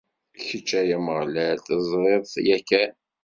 Kečč, ay Ameɣlal, teẓriḍ-t yakan.